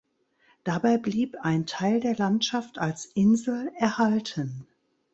Dabei blieb ein Teil der Landschaft als Insel erhalten.